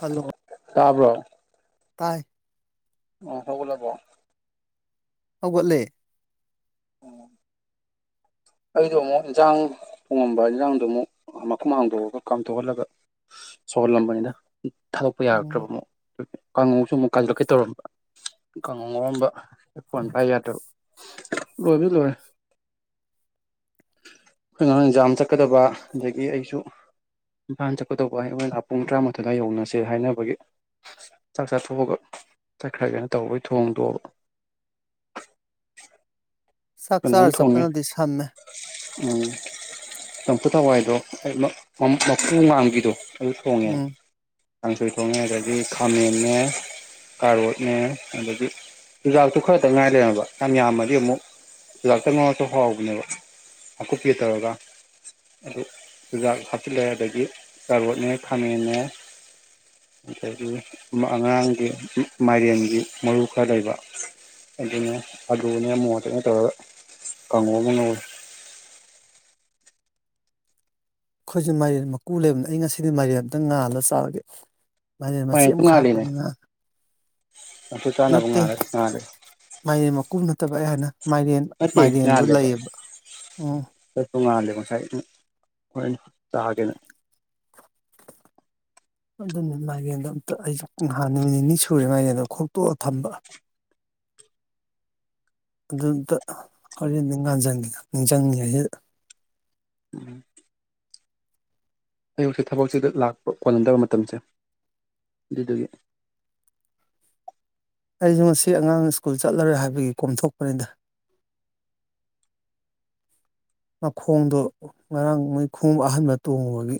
hello ꯇꯥꯔꯕ ꯇꯥꯏ ꯑꯣ ꯍꯣꯏꯧꯕ ꯂꯕꯣ ꯍꯧꯒꯠꯂꯦ ꯎꯝ ꯑꯩꯗꯣ ꯑꯃꯨꯛ ꯏꯟꯁꯥꯡ ꯊꯣꯡꯉꯝꯕ ꯏꯟꯖꯥꯡꯗꯣ ꯑꯃꯨꯛ ꯃꯈꯨꯝ ꯍꯥꯡꯗꯣꯛꯑꯒ ꯀꯥꯝꯊꯣꯛꯍꯜꯂꯒ ꯁꯧꯍꯜꯂꯝꯕꯅꯤꯅ ꯊꯥꯗꯣꯛꯄ ꯌꯥꯔꯛꯇ꯭ꯔꯕ ꯎꯝ ꯃꯛ ꯀꯥꯡꯉꯧꯁꯨ ꯑꯃꯨꯛ ꯀꯥꯏꯗꯀꯩ ꯇꯧꯔꯝꯕ ꯀꯥꯡꯉꯧ ꯉꯥꯎꯔꯝꯕ ꯐꯣꯟ ꯀꯥꯏ ꯌꯥꯗ꯭ꯔꯕ ꯂꯣꯏꯕ ꯂꯣꯏꯔꯦ ꯑꯩꯈꯩꯅ ꯑꯦꯟꯖꯥꯝ ꯆꯠꯀꯗꯕ ꯑꯗꯒꯤ ꯑꯩꯁꯨ ꯏꯝꯐꯥꯜ ꯆꯠꯀꯗꯧꯕ ꯑꯩꯣꯏ ꯑꯣꯏꯅ ꯄꯨꯡ ꯇꯔꯥꯃꯥꯊꯣꯏꯗ ꯌꯧꯅꯁꯦ ꯍꯥꯏꯅꯕꯒꯤ ꯆꯥꯛ ꯆꯥꯊꯣꯛꯑꯒ ꯆꯠꯈ꯭ꯔꯒꯦꯅ ꯇꯧꯕꯒꯤ ꯊꯣꯡꯗꯣꯑꯕ ꯆꯥꯛ ꯑꯗꯨꯅ ꯆꯥꯔ ꯊꯣꯉꯦ ꯆꯠꯄꯅꯗꯤ ꯁꯝꯃꯦ ꯎꯝꯝ ꯊꯋꯥꯏꯗꯣ ꯃꯨ ꯃꯥꯡꯈꯤꯗꯣ ꯑꯗꯨꯄꯣꯉ ꯎꯝ ꯀꯥꯡꯁꯣꯏ ꯊꯣꯡꯉꯦ ꯑꯗꯒꯤ ꯈꯥꯃꯦꯟꯦ ꯀꯥꯔꯔꯣꯠꯅꯦ ꯑꯗꯒꯤ ꯆꯨꯖꯥꯛꯇꯨ ꯈꯔꯗꯪ ꯉꯥꯏ ꯂꯩꯔꯕ ꯌꯥꯝ ꯌꯥꯝꯃꯗꯤ ꯑꯃꯨꯛ ꯆꯨꯖꯥꯛꯇ ꯉꯁꯨ ꯍꯥꯎꯕꯅꯦꯕ ꯑꯀꯨꯞꯄꯤꯦ ꯇꯧꯔꯒ ꯑꯗꯨ ꯆꯨꯖꯥꯛ ꯍꯥꯞꯆꯤꯜꯂꯑꯦ ꯑꯗꯒꯤ ꯆꯥꯔꯣꯠꯅꯦ ꯈꯥꯃꯦꯟꯅꯦ ꯑꯗꯒꯤ ꯑꯉꯥꯡꯒꯤ ꯃꯥꯏꯔꯦꯟꯒꯤ ꯃꯔꯨ ꯈꯔ ꯂꯩꯕ ꯑꯗꯨꯅꯦ ꯑꯗꯣꯅꯦ ꯑꯃ ꯃꯣꯠꯇꯅꯦ ꯑ ꯀꯥꯡꯪꯕ ꯉ ꯅ ꯑꯩꯈꯣꯏꯁꯦ ꯃꯥꯏꯔꯦꯟ ꯃꯀꯨ ꯂꯩꯕꯅ ꯑꯩ ꯉꯁꯤꯗꯤ ꯃꯥꯏꯔꯦꯟ ꯑꯝꯇꯪ ꯉꯥꯜꯂꯒ ꯆꯥꯔꯒꯦ ꯃꯥꯏꯔꯦꯟ ꯃꯆꯦꯠ ꯃꯥꯏꯔꯦꯟꯁꯨ ꯑꯃ ꯉꯥꯜꯂꯤꯅꯦ ꯈꯥꯛꯄꯅꯤꯅ ꯆꯝꯐꯨꯠ ꯆꯥꯅꯕ ꯅꯠꯇꯦ ꯉꯥꯜꯂꯦ ꯉꯥꯜꯂꯦ ꯃꯥꯏꯔꯦꯟ ꯃꯀꯨꯝ ꯅꯠꯇꯦ ꯇꯕꯛꯑ ꯍꯥꯏꯅ ꯃꯥꯏꯔꯦꯟ ꯅꯠꯇꯦ ꯃꯥꯏꯔꯦꯟꯗꯨꯣ ꯂꯩꯌꯦꯕ ꯎꯝ ꯇꯣꯉꯥꯜꯂꯦ ꯉꯁꯥꯏ ꯍꯣꯔ ꯇꯥꯒꯦꯅ ꯑꯗꯨꯅꯦ ꯃꯥꯏꯒꯦꯟꯗꯣ ꯑꯝꯇ ꯑꯩꯁ ꯅꯥꯟ ꯅꯨꯃꯤꯠ ꯅꯤꯅꯤ ꯁꯨꯔꯦ ꯃꯥꯏꯒꯦꯟꯗꯣ ꯈꯣꯛꯇꯣꯛꯑ ꯊꯝꯕ ꯑꯗꯨꯗ ꯍꯣꯔꯦꯟ ꯅꯤꯡ ꯉꯥꯟꯉ ꯅꯤꯡꯁꯤꯡꯉꯤ ꯎꯝ ꯑꯌꯨꯁꯦ ꯊꯕꯛꯁꯤꯗ ꯂꯥꯛꯄ ꯀꯣꯜꯂꯝꯟꯗꯕ ꯃꯇꯝꯁꯦ ꯑꯗꯨꯗꯒꯤ ꯑꯩꯁꯨ ꯉꯁꯤ ꯑꯉꯥꯡ ꯁ꯭ꯀꯨꯜ ꯆꯠꯂꯔꯣꯏ ꯍꯥꯏꯕꯒꯤ ꯀꯣꯝꯊꯣꯛꯄꯅꯤꯗ ꯃꯈꯣꯡꯗꯣ ꯉꯔꯥꯡ ꯃꯣꯏ ꯈꯣꯡꯎꯞ ꯑꯍꯟꯕ ꯇꯣꯡꯉꯨꯕꯒꯤ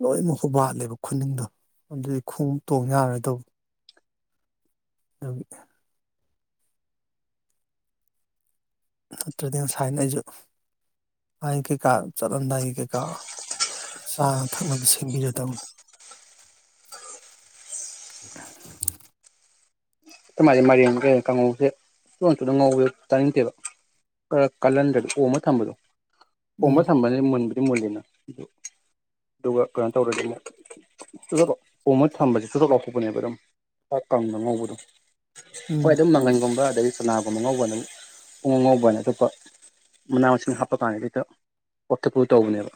ꯂꯣꯏꯃꯛ ꯍꯨꯕꯥꯠꯂꯦꯕ ꯈꯨꯅꯤꯡꯗꯣ ꯑꯗꯨꯗꯤ ꯈꯣꯡꯎꯞ ꯇꯣꯡ ꯌꯥꯔꯣꯏꯗꯧꯕ ꯑꯗꯨꯒꯤ ꯅꯠꯇ꯭ꯔꯗꯤ ꯉꯁꯥꯏꯅ ꯑꯩꯁꯨ ꯍꯥꯏꯅ ꯀꯩꯀꯥ ꯆꯠꯂꯝꯗꯥꯏꯒꯤ ꯀꯩꯀꯥ ꯆꯥꯅ ꯊꯛꯅꯕ ꯁꯦꯝꯕꯤꯔꯗꯕꯅꯤ ꯑꯗꯨꯃꯥꯏꯅ ꯃꯥꯏꯦꯟ ꯀꯩ ꯀꯥꯡꯉꯧꯁꯦ ꯆꯨꯅ ꯆꯨꯅ ꯉꯧꯕ ꯆꯥꯅꯤꯡꯗꯦꯕ ꯈꯔ ꯀꯥꯍꯟꯗ꯭ꯔꯗꯤ ꯑꯣꯃ ꯊꯝꯕꯗꯣ ꯑꯣꯃꯥ ꯎꯝ ꯁꯝꯃꯅꯦꯕ ꯑꯗꯨꯝ ꯃꯨꯜꯂꯤꯦꯅ ꯑꯗꯨ ꯑꯗꯨꯒ ꯀꯩꯅꯣ ꯇꯧꯔꯗꯤꯅꯦ ꯆꯨꯊꯣꯛ ꯄꯣꯝꯃ ꯊꯝꯕꯁꯦ ꯆꯨꯊꯣꯛ ꯂꯥꯎꯊꯣꯛꯄꯅꯦꯕ ꯑꯗꯨꯝ ꯆꯥꯛ ꯀꯪꯅ ꯉꯧꯕꯗꯣ ꯍꯣꯏ ꯎꯝ ꯑꯗꯨꯝ ꯃꯪꯒꯟꯒꯨꯝꯕ ꯑꯗꯗꯒꯤ ꯁꯅꯥꯒꯨꯝꯝ ꯑ ꯉꯧꯕꯅ ꯄꯨꯡ ꯑ ꯉꯧꯕꯅ ꯑꯇꯣꯞꯄ ꯃꯅꯥ ꯃꯁꯤꯡ ꯍꯥꯞꯄ ꯀꯥꯟꯗꯩꯦꯛꯇ ꯄꯣꯊꯄ ꯇꯧꯕꯅꯦꯕ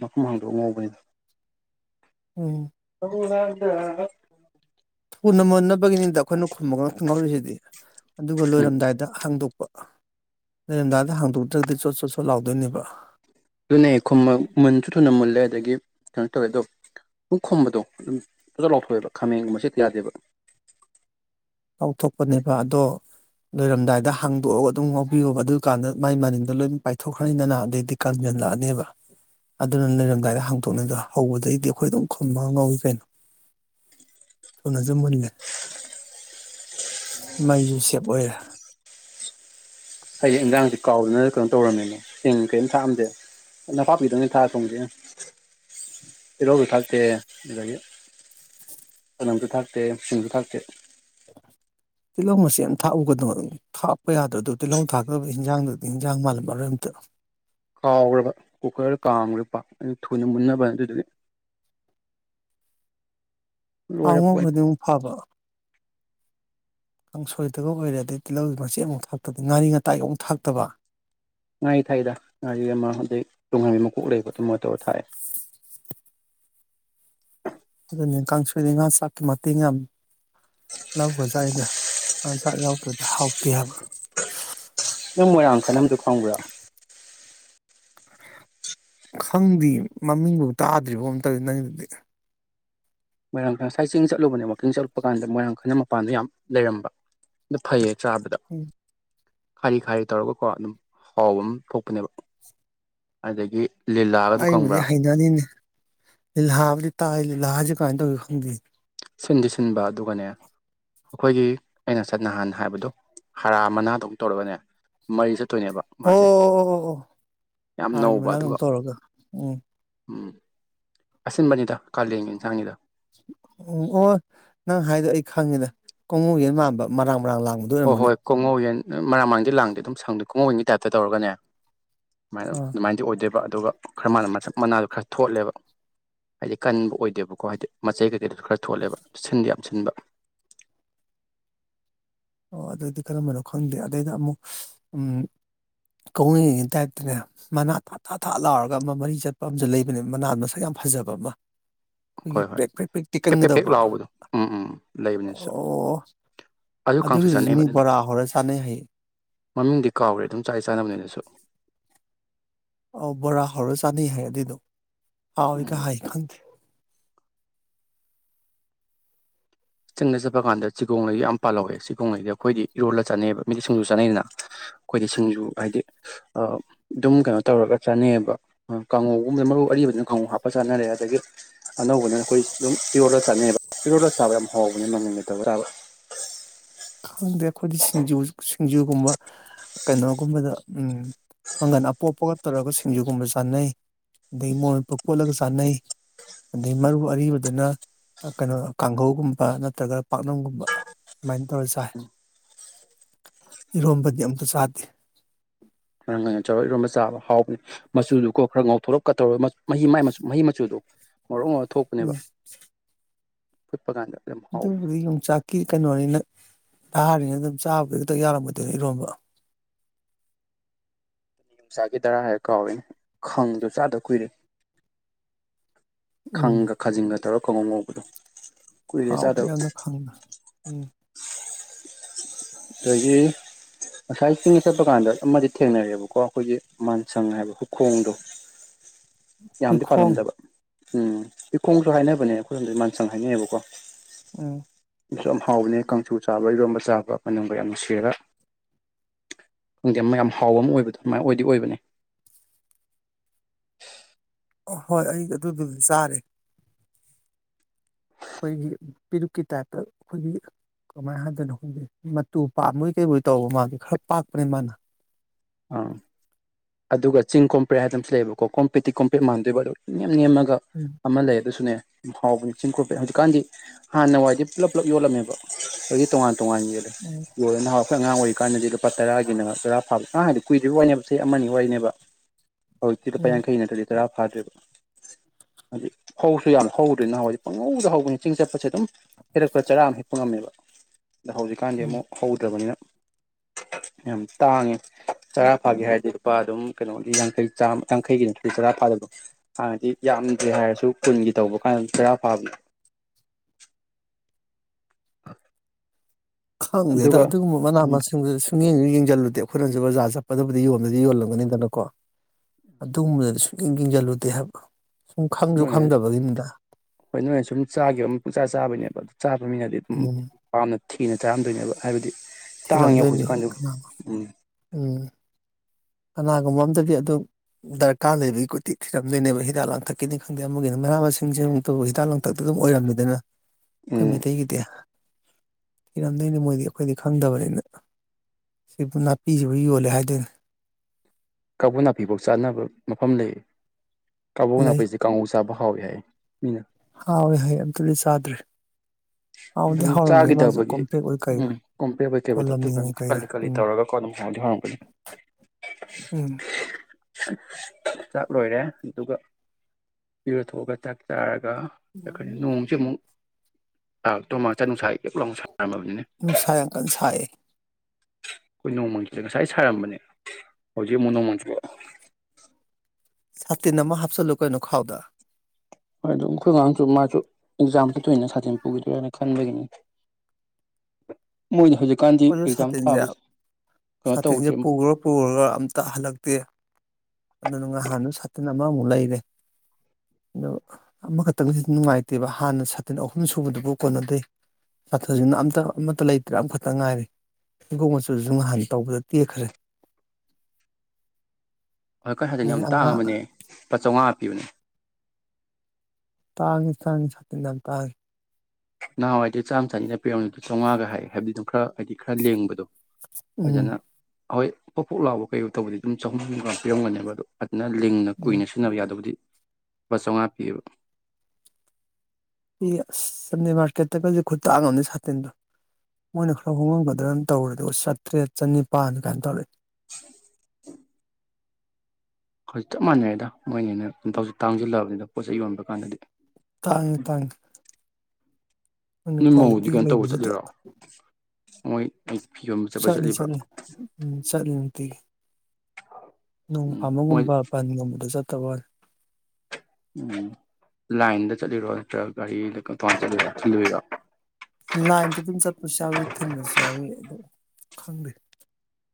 ꯃꯐꯝ ꯍꯥꯡꯗꯣꯛꯑ ꯉꯧꯕꯅꯤꯅ ꯎꯝ ꯍ ꯂꯗ ꯅ ꯃ ꯅꯕꯒꯤꯅꯤ ꯑꯈꯣꯏꯅ ꯃ ꯊ ꯑ ꯑꯗꯨꯒ ꯂꯣꯏꯔꯝꯗꯥꯏꯗ ꯍꯥꯡꯗꯣꯛꯄ ꯂꯩꯔꯝꯗꯥꯗ ꯍꯥꯡꯗꯣꯛꯇ꯭ꯔꯒꯗꯤ ꯆꯣꯠ ꯆꯣꯠ ꯆꯣꯠ ꯂꯥꯎꯗꯣꯏꯅꯦꯕ ꯑꯗꯨꯅꯦ ꯑꯩꯈꯃꯛ ꯃꯨꯟꯁꯨ ꯊꯨꯅ ꯃꯨꯜꯂꯦ ꯑꯗꯒꯤ ꯇꯧꯋꯦ ꯑꯗꯣ ꯄꯨꯡ ꯈꯣꯝꯕꯗꯣ ꯑꯗꯨꯝ ꯐꯖꯅ ꯂꯥꯎꯊꯣꯛꯑꯦꯕ ꯈꯥꯃꯦꯟꯒꯨꯝꯕ ꯁꯦꯛꯇ ꯌꯥꯗꯦꯕ ꯉꯥꯎꯊꯣꯛꯄꯅꯦꯕ ꯑꯗꯣ ꯂꯣꯏꯔꯝꯗꯥꯏꯗ ꯍꯥꯡꯗꯣꯛꯑꯒ ꯑꯗꯨꯝ ꯉꯥꯎꯤꯌꯣꯕ ꯑꯗꯨꯀꯥꯟꯗ ꯃꯥꯏ ꯃꯅꯤꯡꯗ ꯂꯣꯏ ꯄꯥꯏꯊꯣꯛꯈ꯭ꯔꯅꯤꯗꯅ ꯑꯗꯩꯗꯤ ꯀꯟꯖꯜꯂꯛꯑꯅꯦꯕ ꯑꯗꯨꯅ ꯂꯣꯏꯔꯝꯗꯥꯏꯗ ꯍꯥꯡꯗꯣꯛꯅꯕꯗꯣ ꯍꯧꯕꯗꯒꯤꯩꯗꯤ ꯑꯩꯈꯣꯏ ꯑꯗꯨꯝ ꯈꯨꯝꯕ ꯉꯥꯎꯏ ꯀꯩꯅꯣ ꯊꯨꯅꯁꯨ ꯃꯨꯜꯂꯦ ꯃꯥꯏꯨꯁꯤꯌꯥꯄꯦ ꯍꯡ ꯏꯟꯖꯥꯡꯁꯦ ꯀꯥꯎꯗꯅ ꯀꯩꯅꯣ ꯇꯧꯔꯝꯃꯦꯅ ꯆꯦꯡ ꯀꯔꯤꯝ ꯊꯥꯛꯑꯝꯗꯦ ꯅꯄꯥꯛꯄꯤꯈꯤꯇꯪꯗꯤ ꯊꯥꯛ ꯈꯗꯤꯦ ꯇꯤꯔꯧꯁꯨ ꯊꯥꯛꯇꯦ ꯑꯗꯨꯗꯒꯤ ꯄꯅꯝꯁꯨ ꯊꯥꯛꯇꯦ ꯁꯤꯡꯁꯨ ꯊꯥꯛꯇꯦ ꯇꯤꯜꯍꯧ ꯃꯆꯦ ꯑꯃ ꯊꯥꯛꯎꯒꯗꯝ ꯑꯗꯨꯝ ꯊꯥꯛꯞꯄ ꯌꯥꯗ꯭ꯔꯣ ꯑꯗꯨ ꯇꯤꯜꯍꯧ ꯊꯥꯛꯇꯗꯕ ꯍꯤꯟꯖꯥꯡꯗꯨꯗꯤ ꯍꯤꯟꯖꯥꯡ ꯃꯥꯜꯂꯤ ꯃꯔꯣꯏ ꯑꯝꯇ ꯀꯥꯎꯈ꯭ꯔꯕ ꯀꯨꯀꯔ ꯀꯈ꯭ꯔ ꯄ ꯑꯗꯨ ꯊꯨꯅ ꯃꯨꯟꯅꯕꯅꯦ ꯑꯗꯨꯗꯒꯤ ꯑꯛ ꯂꯣꯏꯔꯕ ꯄꯣꯠꯅꯤ ꯈꯨꯗꯤꯡꯃꯛ ꯐꯕ ꯀꯥꯡ ꯁꯣꯏꯗꯕ ꯑꯣꯏꯔꯦ ꯑꯗꯩ ꯇꯤꯜꯍꯧꯁꯦ ꯃꯆꯦꯠ ꯑꯃꯨꯛ ꯊꯥꯛꯇꯕꯗꯤ ꯉꯥꯔꯤ ꯉꯥꯇꯥꯏꯒꯤ ꯑꯃꯨꯛ ꯊꯥꯛꯇꯕ ꯉꯥꯔꯤ ꯊꯥꯏꯗ ꯉꯥꯔꯤ ꯑꯃ ꯍꯧꯖꯤꯛ ꯇꯣꯉꯥꯟꯕ ꯃꯀꯣꯛ ꯂꯩꯕꯣ ꯇ ꯃꯣ ꯇꯧ ꯊꯥꯏ ꯑꯗꯨꯅꯤ ꯀꯥꯡꯁꯣꯏꯅꯤ ꯉꯥ ꯆꯥꯛꯀꯤ ꯃꯇꯦꯡ ꯌꯥꯝ ꯂꯧꯧꯕꯖꯥ ꯑꯅ ꯉꯥ ꯆꯥꯛ ꯌꯥꯎꯗ꯭ꯔꯗꯤ ꯍꯥꯎꯇꯦ ꯍꯥꯏꯕ ꯃꯈꯜ ꯑꯃꯁꯗꯨ ꯐꯪꯕ꯭ꯔꯥ ꯈꯪꯗꯦ ꯃꯃꯤꯡꯐꯧ ꯇꯥꯗ꯭ꯔꯤꯕ ꯑꯝꯇꯧꯗꯤ ꯅꯪꯗꯨꯗꯤ ꯃꯣꯏꯔꯥꯡꯈꯥꯡ ꯉꯁꯥꯏ ꯆꯤꯡ ꯆꯠꯂꯨꯕꯅꯦ ꯋꯥꯛꯀꯤꯡ ꯆꯠꯂꯨꯄ ꯀꯥꯟꯗ ꯃꯣꯏꯔꯥꯡꯈꯪꯅ ꯃꯄꯥꯟꯗ ꯌꯥꯝ ꯂꯩꯔꯝꯕ ꯑꯗꯨ ꯐꯩꯌꯦ ꯆꯥꯕꯗ ꯈꯥꯔꯤ ꯈꯥꯔꯤ ꯇꯧꯔꯒꯀꯣ ꯑꯗꯨꯝ ꯍꯥꯎꯕ ꯑꯃ ꯊꯣꯛꯄꯅꯦꯕ ꯑꯗꯒꯤ ꯂꯤꯂꯥꯒꯗꯣ ꯑꯩꯕꯨ ꯈꯪꯕ꯭ꯔꯥ ꯍꯥꯏꯅꯅꯤꯅꯦ ꯂꯤꯜꯍꯥꯕꯗꯤ ꯇꯥ ꯂꯤꯜꯂꯥ ꯖ ꯀꯥꯏꯗ ꯐꯪꯗ ꯁꯤꯟꯗꯤ ꯁꯤꯟꯕ ꯑꯗꯨꯒꯅꯦ ꯑꯩꯈꯣꯏꯒꯤ ꯑꯩꯅ ꯆꯠꯅꯍꯥꯟ ꯍꯥꯏꯕꯗ ꯍꯥꯔꯥ ꯃꯅꯥꯗꯧ ꯇꯧꯔꯒꯅꯦ ꯃꯔꯤ ꯆꯠ ꯑꯣ ꯑꯣ ꯌꯥꯝ ꯍꯒꯤ ꯃ ꯅꯧꯕ ꯑꯗꯨꯝ ꯑꯗꯨꯒ ꯇꯧꯔꯒ ꯎꯝ ꯎꯝ ꯑꯁꯤꯟꯕꯅꯤꯗ ꯀꯥꯂꯦꯟꯒꯤ ꯏꯟꯁꯥꯡꯅꯤꯗ ꯎꯝ ꯑꯣ ꯅꯪ ꯍꯥꯏꯗꯣ ꯑꯩ ꯈꯪꯉꯤꯗ ꯀꯣꯉꯨꯒꯤꯅ ꯃꯥꯟꯕ ꯃꯔꯥ ꯍꯣꯏ ꯍꯣꯏ ꯀꯣꯡꯍꯧ ꯌꯦꯟ ꯃꯔꯥ ꯃꯔꯥꯡꯗꯤ ꯂꯥꯡꯗꯦ ꯑꯗꯨꯝ ꯁꯪꯗ ꯀꯣꯍꯣꯟꯒꯤ ꯇꯥꯏꯞꯇ ꯇꯧꯔꯒꯅꯦ ꯁꯃꯥꯏꯅ ꯑꯥ ꯑꯗꯨꯃꯥꯏꯗꯤ ꯑꯣꯏꯗꯣꯏꯕ ꯑꯗꯨꯒ ꯈꯔ ꯃꯥꯅꯁ ꯃꯅꯥꯗꯣ ꯈꯔ ꯊꯣꯠꯂꯦꯕ ꯍꯥꯏꯗꯤ ꯀꯟꯕ ꯑꯣꯏꯗꯦꯕꯀꯣ ꯍꯥꯏꯗꯤ ꯃꯆꯩ ꯀꯩꯀꯩꯗꯁꯨ ꯈꯔ ꯊꯣꯠꯂꯦꯕ ꯁꯤꯟꯗꯤ ꯌꯥꯝ ꯁꯤꯟꯕ ꯑꯣ ꯑꯗꯨꯗꯤ ꯀꯔꯝꯕꯅꯣ ꯈꯪꯗꯦ ꯑꯗꯩꯗ ꯑꯃꯨꯛ ꯀꯧꯉꯉꯩꯩ ꯇꯥꯏꯞꯇꯅꯦ ꯃꯅꯥ ꯊꯥ ꯊꯥ ꯊꯥ ꯂꯥꯎꯔꯒ ꯑꯃ ꯃꯔꯤ ꯆꯠꯄ ꯑꯃꯁꯨ ꯂꯩꯕꯅꯦ ꯃꯅꯥ ꯃꯁꯛ ꯌꯥꯝ ꯐꯖꯕ ꯑꯃ ꯑꯩꯈꯣꯏꯒꯤ ꯍꯣꯏ ꯍꯣꯏ ꯄ꯭ꯔꯦꯛ ꯄ꯭ꯔꯦꯛ ꯄ꯭ꯔꯦꯛ ꯄꯦ ꯄꯦꯄꯦꯛ ꯇꯦꯛꯀꯟꯒꯗꯕ ꯂꯥꯛꯕꯗꯣ ꯎꯝ ꯎꯝ ꯂꯩꯕꯅꯤ ꯁꯨꯝ ꯑꯣ ꯑꯗꯨ ꯀꯥꯡꯁꯣꯏ ꯑꯗꯨꯒꯤꯗꯨꯁꯨ ꯆꯥꯅꯩꯕ ꯃꯤ ꯑꯗꯨꯅ ꯕꯣꯔꯥ ꯍꯧꯔ ꯆꯥꯟꯅꯩ ꯍꯌꯦ ꯃꯃꯤꯡꯗꯤ ꯀꯥꯎꯈ꯭ꯔꯦ ꯑꯗꯨꯝ ꯆꯥꯏ ꯆꯦ ꯑꯣ ꯣꯔ ꯍꯔ ꯆꯅꯤ ꯍꯥꯏꯦ ꯂꯤꯗꯨ ꯑꯥꯎ ꯎꯝ ꯀ ꯍꯥꯏ ꯏ ꯈꯟꯗ ꯆꯤꯡꯗ ꯆꯠꯄ ꯀꯥꯟꯗ ꯆꯤꯒꯣꯡꯡꯂꯩꯗꯤ ꯌꯥꯝ ꯄꯥꯜꯍꯧꯋꯦ ꯆꯤꯒꯣꯡꯉꯩꯗꯤ ꯑꯩꯈꯣꯏꯗꯤ ꯏꯔꯣꯜꯂ ꯆꯥꯅꯩꯑꯕ ꯃꯤꯗꯤ ꯁꯤꯡꯖꯨ ꯆꯥꯅꯩꯗꯅ ꯑꯩꯈꯣꯏꯗꯤ ꯁꯤꯡꯖꯨ ꯍꯥꯏꯗꯤ ꯑꯗꯨꯝ ꯀꯩꯅꯣ ꯇꯧꯔꯒ ꯆꯥꯅꯩꯑꯕ ꯀꯥꯡꯉꯨꯒꯨꯝꯕꯗ ꯃꯔꯨ ꯑꯔꯤꯕꯗꯨꯅ ꯀꯥꯡꯉꯨ ꯍꯥꯞꯄ ꯆꯥꯅꯔꯦ ꯑꯗꯒꯤ ꯑꯅꯧꯕꯅ ꯑꯩꯈꯣꯏ ꯑꯗꯨꯝ ꯏꯔꯣꯜꯒ ꯆꯥꯅꯩꯑꯕ ꯏꯔꯣꯜꯂ ꯆꯥꯕꯗ ꯌꯥꯝ ꯍꯥꯎꯕꯅꯤ ꯃꯉꯝ ꯂꯩꯗꯕ꯭ꯔꯥꯕ ꯗꯤ ꯑꯩꯈꯣꯏꯗꯤ ꯁꯤꯡꯖꯨ ꯁꯤꯡꯖꯨꯒꯨꯝꯕ ꯀꯩꯅꯣꯒꯨꯝꯕꯗ ꯎ ꯃꯪꯒꯟ ꯑꯄꯣꯞꯄꯒ ꯇꯧꯔꯒ ꯁꯤꯡꯖꯨꯒꯨꯝꯕ ꯆꯥꯅꯩ ꯑꯗꯗꯒꯤ ꯃꯣꯔꯄ ꯀꯣꯠꯂꯒ ꯆꯥꯅꯩ ꯑꯗꯩ ꯃꯔꯨ ꯑꯔꯤꯕꯗꯨꯅ ꯀꯩꯅꯣ ꯀꯥꯡꯈꯧꯒꯨꯝꯕ ꯅꯠꯇ꯭ꯔꯒ ꯄꯥꯛꯅꯝꯒꯨꯝꯕ ꯑꯗꯨꯃꯥꯏꯅ ꯇꯧꯔ ꯏꯔꯣꯝꯕꯗꯤ ꯑꯝꯇ ꯆꯥꯗꯦ ꯅꯪ ꯉꯩꯅ ꯆꯔꯣꯏ ꯏꯔꯣꯟꯝꯕ ꯆꯥꯕ ꯍꯥꯎꯕꯅꯦ ꯃꯆꯨꯗꯨꯀꯣ ꯈꯔ ꯉꯥꯎꯊꯣꯔꯛꯀ ꯇꯧꯔꯒꯤ ꯃꯍꯤ ꯃꯆꯨꯗꯣ ꯃꯔꯣꯛ ꯃꯔ ꯎꯝ ꯊꯣꯛꯄꯅꯦꯕ ꯐꯨꯠꯄ ꯀꯥꯟꯗ ꯌꯥꯝ ꯍꯥꯎꯕꯅꯦ ꯑꯗꯨꯕꯨꯗꯤ ꯌꯣꯡꯆꯥꯛꯀꯤ ꯀꯩꯅꯣꯅꯤꯅ ꯅꯍꯥꯔꯤꯅ ꯑꯗꯨꯝ ꯆꯥꯕꯗꯨꯩ ꯇ ꯌꯥꯎꯔꯝꯃꯗꯣꯏꯅꯦ ꯏꯔꯣꯟꯝꯕ ꯅꯨꯡꯁꯥꯒꯤ ꯇꯔꯥ ꯍꯥꯏꯔ ꯀꯥꯎꯏꯤ ꯈꯪꯗ ꯆꯥꯗ ꯀꯨꯏꯔꯦ ꯎꯝ ꯈꯪꯒ ꯈꯥꯖꯤꯡꯒ ꯇꯧꯔ ꯀꯡꯍꯧ ꯉꯧꯕꯗꯣ ꯀꯨꯏꯔꯦ ꯍꯥꯎꯕꯅ ꯆꯥꯗꯕ ꯑꯝꯅ ꯈꯪꯕ ꯎꯝ ꯑꯗꯒꯤ ꯉꯁꯥꯏ ꯆꯤꯡ ꯆꯠꯄ ꯀꯥꯟꯗ ꯑꯃꯗꯤ ꯊꯦꯡꯅꯔꯑꯕꯀꯣ ꯑꯩꯈꯣꯏꯒꯤ ꯃꯟꯁꯪ ꯍꯥꯏꯕ ꯎꯈꯣꯡꯗꯣ ꯌꯥꯝꯗꯤ ꯍꯨꯏꯈꯣꯡ ꯄꯥꯜꯂꯝꯗꯕ ꯎꯝ ꯍꯨꯏꯈꯣꯡꯁꯨ ꯍꯥꯏꯅꯕꯅꯦ ꯑꯩꯈꯣꯏ ꯔꯣꯝꯗꯗꯤ ꯃꯥꯟꯁꯪ ꯍꯥꯏꯅꯩꯌꯦꯕꯀꯣ ꯎꯝ ꯁꯨ ꯌꯥꯝ ꯍꯥꯎꯕꯅꯦ ꯀꯥꯡꯁꯨꯨ ꯆꯥꯕ ꯏꯔꯣꯟꯕ ꯆꯥꯕ ꯃꯅꯨꯡꯗꯒ ꯌꯥꯝ ꯅꯨꯡꯁꯤꯔ ꯈꯪꯗꯦ ꯑꯃ ꯌꯥꯝ ꯍꯥꯎꯕ ꯑꯃ ꯑꯣꯏꯕꯗꯣ ꯑꯗꯨꯃꯥꯏ ꯑꯣꯏꯗꯤ ꯑꯣꯏꯕꯅꯦ ꯑ ꯍꯣꯏ ꯑꯩ ꯑꯗꯨꯗꯨꯗꯤ ꯆꯥꯔꯦ ꯑꯩꯈꯣꯏꯒꯤ ꯄꯦꯔꯨꯛꯀꯤ ꯇꯥꯏꯞꯇ ꯑꯩꯈꯣꯏꯒꯤ ꯀꯃꯥꯏꯅ ꯍꯥꯏꯗꯣꯏꯅꯣ ꯈꯗꯦ ꯃꯇꯨ ꯄꯥ ꯃꯣꯏ ꯀꯩ ꯃꯣꯏ ꯇꯧꯕ ꯃꯥꯒꯤ ꯈꯔ ꯄꯥꯛꯄꯅꯦ ꯃꯥꯅ ꯑꯥ ꯑꯗꯨꯒ ꯆꯤꯡ ꯀꯣꯝꯄꯦꯠ ꯍꯥꯏꯗꯅ ꯑꯃꯁꯁꯨ ꯂꯩꯌꯦꯕꯀꯣ ꯀꯣꯝꯄꯦꯇꯤ ꯀꯣꯝꯄꯦꯠ ꯃꯥꯟꯗꯣꯏꯕ ꯑꯗꯣ ꯌꯥꯝ ꯅꯦꯝꯃꯒ ꯎꯝ ꯑꯃ ꯂꯩ ꯑꯗꯨꯁꯨꯅꯦ ꯎ ꯍꯥꯎꯕꯅꯤ ꯆꯤꯡ ꯀꯨꯞꯄ ꯍꯧꯖꯤꯛꯀꯥꯟꯗꯤ ꯍꯥꯟꯅꯋꯥꯏꯗꯤ ꯄꯨꯂꯞ ꯄꯨꯂꯞ ꯌꯣꯜꯂꯝꯃꯦꯕ ꯍꯧꯖꯤꯛꯇꯤ ꯇꯣꯉꯥꯟ ꯇꯣꯡꯉꯥꯟ ꯌꯦꯜꯂꯦ ꯎꯝ [inaudible] ꯑꯩꯈꯣꯏ ꯑꯉꯥꯡ ꯑꯣꯏꯔꯤꯀꯥꯟꯗꯗꯤ ꯂꯨꯄꯥ ꯇꯔꯥꯒꯤꯅ ꯇꯔꯥ ꯐꯥꯕꯦ ꯑ ꯍꯥꯏꯗꯤ ꯀꯨꯏꯗ꯭ꯔꯤꯕ ꯋꯥꯏꯅꯦꯕꯁ ꯑꯃꯅꯤ ꯋꯥꯏꯅꯦꯕ ꯍꯧ ꯎꯝ ꯊꯔꯄꯥꯡꯈ ꯍꯅꯦ ꯇꯦ ꯇꯔꯥ ꯐꯥꯗ꯭ꯔꯦꯕ ꯍꯥꯏꯗꯤ ꯐꯧꯁꯨ ꯌꯥꯝ ꯍꯧꯗ꯭ꯔꯦ ꯅꯍꯥꯟꯋꯥꯖꯤ ꯄꯪꯉꯧꯗ ꯍꯧꯕꯅꯤ ꯆꯤꯡ ꯆꯠꯄ ꯆꯠ ꯑꯗꯨ ꯆꯤꯔꯛꯋꯆꯔ ꯑꯍ ꯍꯞꯨꯡꯉꯃꯕ ꯑꯗ ꯍꯧꯖꯤꯛꯀꯥꯟꯗꯤ ꯎꯝ ꯑꯃꯨꯛ ꯍꯧꯗ꯭ꯔꯕꯅꯤꯅ ꯌꯥꯝ ꯇꯥꯡꯉꯦ ꯆꯔꯥ ꯐꯥꯒꯦ ꯍꯥꯏꯔꯗꯤ ꯂꯨꯄꯥ ꯑꯗꯨꯝ ꯀꯩꯅꯣꯅꯤ ꯌꯥꯡꯈꯩ ꯌꯥꯡꯈꯩꯒꯤ ꯅꯠꯇꯦ ꯆꯔꯥ ꯐꯥꯗꯕ ꯍꯥꯟꯅꯗꯤ ꯌꯥꯝꯗ꯭ꯔꯦ ꯍꯥꯏꯔꯁꯨ ꯀꯨꯟꯒꯤ ꯇꯧꯕ ꯀꯥꯟꯗ ꯆꯔꯥ ꯐꯥꯕꯅꯤ ꯑ ꯈꯪꯗꯦꯗ ꯑꯗꯨꯒꯨꯝꯕ ꯃꯅꯥ ꯃꯁꯤꯡꯗꯨꯁꯨ ꯁꯨꯡ ꯌꯦꯡꯁꯨ ꯌꯦꯡꯁꯤꯜꯂꯨꯗꯦ ꯑꯩꯈꯣꯏꯅꯁꯨ ꯑꯣꯖꯥ ꯆꯠꯄꯗꯕꯨꯗꯤ ꯌꯣꯟꯗꯗꯤ ꯌꯣꯜꯂꯝꯒꯅꯤꯗꯅꯀꯣ ꯑꯗꯨꯒꯨꯝꯕꯗꯗꯤ ꯁꯨꯡꯌꯦꯡ ꯌꯦꯡꯁꯤꯜꯂꯨꯗꯦ ꯍꯥꯏꯕ ꯁꯨꯝ ꯈꯪꯁꯨ ꯅꯣꯏꯅ ꯈꯪꯗꯕꯒꯤꯅꯤꯗ ꯍꯣꯏ ꯅꯣꯏꯅ ꯁꯨꯝ ꯆꯥꯈꯤꯕ ꯄꯛꯆꯥꯥ ꯆꯥꯕꯅꯦꯕ ꯍ ꯆꯥꯕ ꯃꯤꯅꯗꯤ ꯑꯗꯨꯝ ꯎꯝ ꯌꯥꯝ ꯄꯥꯝꯅ ꯊꯤꯅ ꯆꯥꯔꯝꯗꯣꯏꯅꯦꯕ ꯍꯥꯏꯕꯗꯤ ꯇꯥꯡꯉꯦ ꯊꯤꯔꯝꯗꯣꯏꯅꯤ ꯍꯧꯖꯤꯛꯀꯥꯟꯗꯤ ꯀꯅꯥꯅꯣ ꯎꯝ ꯎꯝ ꯀꯅꯥꯒꯨꯝꯕ ꯑꯝꯗꯗꯤ ꯑꯗꯨꯝ ꯗꯔꯀꯥꯔ ꯂꯩꯕꯒꯤ ꯀꯠꯇꯤ ꯊꯤꯔꯝꯗꯣꯏꯅꯦꯕ ꯍꯤꯗꯥꯛ ꯂꯥꯡꯊꯛꯀꯤꯅꯤ ꯈꯪꯗꯦ ꯑꯃꯒꯤ ꯃꯅꯥ ꯃꯁꯤꯡꯁꯤꯃꯛꯇꯕꯨ ꯍꯤꯗꯥꯛ ꯂꯥꯡꯊꯛꯇ ꯑꯗꯨꯝ ꯑꯣꯏꯔꯝꯃꯤꯗꯅ ꯎꯝ ꯑꯩꯈꯣꯏꯃꯤꯇꯩ ꯀꯗꯌꯥ ꯏꯤꯔꯝꯗꯣꯏꯅꯤ ꯃꯣꯏꯗꯤ ꯑꯩꯈꯣꯏꯗꯤ ꯈꯪꯗꯕꯅꯤꯅ ꯁꯤꯕꯨ ꯅꯥꯄꯤꯁꯤꯕꯨ ꯌꯣꯜꯂꯦ ꯍꯥꯏꯗꯣꯏꯅꯦ ꯀꯥꯡꯕꯨ ꯅꯥꯄꯤꯤꯐꯧ ꯆꯥꯅꯕ ꯃꯐꯝ ꯂꯩ ꯀꯥꯎꯕꯨꯒꯅ ꯐꯩꯁꯤ ꯀ ꯀꯥꯡꯁꯦ ꯆꯥꯕ ꯍꯥꯎꯋ ꯌꯥꯏ ꯃꯤꯅ ꯍꯣꯏ ꯍꯣꯏ ꯑꯝꯇꯗꯤ ꯆꯥꯗ꯭ꯔꯦ ꯑꯗꯨꯝ ꯆꯥꯈꯤꯗꯕꯒꯤ ꯀꯣꯝꯄ꯭ꯔꯦꯛ ꯑꯣꯏ ꯀꯩ ꯎꯝ ꯑꯣꯏ ꯀꯣꯄꯦꯕ ꯀꯦꯕꯗ ꯀꯣꯂꯝꯅꯤ ꯑꯗꯨꯝ ꯑꯣꯏ ꯀꯩ ꯈꯜꯂꯤ ꯑꯣꯏ ꯈꯜꯂꯤ ꯎꯝ ꯇꯧꯔꯒꯀꯣ ꯑꯗꯨꯝ ꯍꯣꯡꯗꯤ ꯍꯔꯝꯒꯅꯤ ꯎꯝ ꯆꯥꯛ ꯂꯣꯏꯔꯦ ꯑꯗꯨꯒ ꯄꯤꯔꯊꯣꯛꯑꯒ ꯆꯥꯛ ꯆꯥꯔꯒ ꯑꯩꯈꯣꯏꯅ ꯅꯣꯡꯁꯤꯦ ꯑꯃꯨꯛ ꯇꯣꯃꯉ ꯆꯥ ꯅꯨꯡꯁꯥꯏ ꯀꯞꯂꯥꯎꯅꯨꯡꯁꯥꯏ ꯅꯨꯡꯁꯥꯏꯡ ꯀꯜ ꯁꯥꯏ ꯑꯩꯈꯣꯏ ꯅꯣꯡꯃꯪ ꯆꯗ ꯉꯁꯥꯏ ꯁꯥꯔꯝꯕꯅꯦ ꯍꯧꯖꯤꯛ ꯑꯃꯨꯛ ꯅꯣꯡꯃꯪ ꯆ ꯁꯥꯇꯤꯟꯅꯃ ꯍꯥꯞꯆꯜꯂꯨ ꯀꯣꯏꯅꯣ ꯈꯥꯎꯗ ꯍꯣꯏ ꯑꯗꯨ ꯑꯩꯈꯣꯏ ꯑꯥꯡꯁꯨ ꯃꯥꯁꯨ ꯑꯦꯛꯖꯥꯝ ꯇꯅ ꯁꯥꯈꯤꯗꯣꯏꯅ ꯈꯟꯕꯒꯤꯅꯤ ꯃꯣꯏ ꯍꯧ ꯑꯩꯈꯣꯏꯅ ꯁꯥꯇꯤꯟꯁꯦ ꯀꯩꯅꯣ ꯁꯥꯇꯤꯟꯁꯦ ꯇꯧꯗ꯭ꯔꯦ ꯄꯨꯈꯔ ꯄꯨꯔꯒ ꯑꯝꯇ ꯍꯜꯂꯛꯇꯦ ꯑꯗꯨꯅ ꯉꯍꯥꯟꯅ ꯁꯥꯇꯤꯟ ꯁꯥ ꯑꯃꯃꯨꯛ ꯂꯩꯔꯦ ꯑ ꯑꯃꯈꯛꯇꯪꯁꯤ ꯅꯨꯡꯉꯥꯏꯇꯦꯕ ꯍꯥꯟꯅ ꯁꯥꯇꯤꯟ ꯑꯍꯨꯝ ꯁꯨꯕꯗꯨꯕꯨ ꯀꯣꯟꯅꯗꯦ ꯁꯥꯇ꯭ꯔꯁꯤꯅ ꯑꯝꯇ ꯑꯃꯠꯇ ꯂꯩꯇ꯭ꯔꯦꯈ ꯇ ꯉꯥꯏꯔꯦ ꯑꯗꯨꯒꯣ ꯃꯆꯨꯁꯨ ꯉꯍꯥꯟ ꯇꯧꯕꯗ ꯇꯦꯛꯈ꯭ꯔꯦ ꯍ ꯀ ꯍꯥꯏꯗꯅ ꯑꯗꯒꯤ ꯌꯥꯝ ꯑꯉꯥꯡ ꯇꯥꯡꯕꯅꯦ ꯂꯄꯥ ꯆꯥꯝꯃꯉꯥ ꯄꯕꯅꯦ ꯇꯥꯡꯒꯤ ꯇꯥꯡ ꯁꯇ ꯇꯒꯤ ꯅꯍꯥꯟꯋꯥꯏꯗ ꯆꯥꯝꯃ ꯆꯥꯅꯤꯅ ꯄꯔꯝꯅꯤꯗ ꯆꯥꯝꯃꯉꯥꯒ ꯍꯥꯏꯕꯗꯤ ꯑꯗꯨꯝ ꯈꯔ ꯍꯥꯏꯗꯤ ꯈꯔ ꯂꯦꯡꯕꯗꯣ ꯎꯝ ꯑꯣꯖꯅ ꯍꯣꯏ ꯄꯣꯄꯣꯛ ꯂꯥꯎꯕ ꯀꯩꯣ ꯇꯧꯕꯗꯤ ꯑꯗꯨꯝ ꯆꯍꯨꯝꯨꯝꯒ ꯄꯤꯔꯝꯒꯅꯦꯕ ꯑꯗꯣ ꯅ ꯂꯤꯡꯅ ꯎꯝ ꯀꯨꯏꯅ ꯁꯤꯖꯤꯟꯅꯕ ꯌꯥꯗꯕꯨꯗꯤ ꯋꯥ ꯆꯉꯥꯞꯄꯤꯤꯕ ꯑꯦ ꯑꯁ ꯆꯟꯗ ꯃꯥꯔꯀꯦꯠꯇ ꯀꯁꯨꯦ ꯈꯨꯇꯥꯛꯉꯅꯤ ꯁꯥꯇꯤꯟꯗꯣ ꯃꯣꯏꯅ ꯈꯔ ꯍꯣꯡꯉꯝꯒꯗ꯭ꯔꯅ ꯇꯧꯔꯦ ꯑꯗꯨꯒ ꯆꯥꯇ꯭ꯔꯦꯠ ꯆꯅꯤꯄꯥꯟꯅꯤ ꯀꯥꯏꯅ ꯇꯧꯔꯛꯏ ꯍꯧꯖꯤꯛ ꯆꯞ ꯃꯥꯟꯅꯩꯗ ꯃꯣꯏꯅꯤꯅ ꯁꯇꯧꯁꯤ ꯇꯥꯡꯁꯤꯜꯂꯕꯅꯤꯅ ꯄꯣꯠ ꯆꯩ ꯌꯣꯟꯕ ꯀꯥꯟꯗꯗꯤ ꯇꯥꯡꯉ ꯇꯥꯡꯉꯤ ꯅꯣꯏ ꯀ꯭ꯋꯥꯂꯤꯇꯤ ꯂꯩꯕꯁꯤꯗ ꯍꯣꯏ ꯆꯠꯂꯤ ꯆꯠꯂꯤ ꯎꯝ ꯆꯠꯂꯤ [unintelligible] ꯅꯣꯡ ꯎꯝ ꯃꯣꯏ ꯄꯥꯝꯕꯒꯨꯝꯕ ꯕꯟꯒꯨꯝꯕꯗ ꯆꯠꯄ ꯀꯋꯥꯔ ꯎꯝ ꯂꯥꯏꯟꯗ ꯆꯠꯂꯤꯔꯣ ꯅꯠꯇ꯭ꯔ ꯒꯥꯔꯤꯗ [unintelligible] ꯆꯠꯂꯨꯏꯔꯣ ꯊꯤꯜꯂꯨꯏꯔꯣ ꯂꯥꯏꯟꯗ ꯑꯗꯨꯝ ꯆꯠꯄꯁꯨ ꯌꯥꯎꯋꯤ ꯊꯤꯟꯕꯁꯨ ꯌꯥꯎꯋꯤ ꯑꯗꯨꯝ ꯈꯪꯗꯦ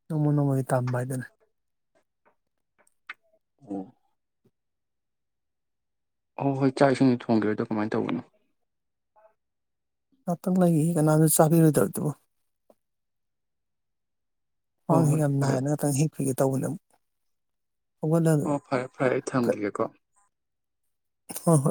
ꯅꯣꯡꯃ ꯅꯣꯡꯃꯒꯤ ꯇꯝꯕ ꯍꯥꯏꯗꯨꯅ ꯎꯝ ꯍꯣꯏ ꯍꯣꯏ ꯆꯥꯛ ꯏꯁꯤꯡꯗꯤ ꯊꯣꯡꯒꯤꯔꯣꯏꯗ꯭ꯔꯣ ꯀꯃꯥꯏ ꯇꯧꯕꯅꯣ ꯉꯥꯛꯇꯪ ꯂꯩꯒꯦ ꯀꯅꯥꯝꯁꯨ ꯆꯥꯕꯤꯔꯣꯏꯗꯕꯗ ꯍꯣꯏ ꯈ꯭ꯋꯥꯡꯁꯤ ꯍꯣꯏ ꯌꯥꯝ ꯐꯔꯦ ꯅꯥꯏꯅ ꯉꯥꯛꯇꯪ ꯍꯤꯞꯈꯤꯒꯦ ꯇꯧꯕꯗꯨꯛ ꯑꯣ ꯐꯔꯦ ꯐꯔꯦ ꯑꯩ ꯍꯣꯏ ꯊꯝꯒꯥꯒꯦꯀꯣ ꯍꯣꯏ